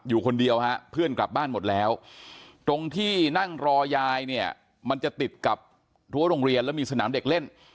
อยู่คนเดียวฮะเพื่อนกลับบ้านหมดแล้วตรงที่นั่งรอยายเนี่ยมันจะติดกับรั้วโรงเรียนแล้วมีสนามเด็กเล่น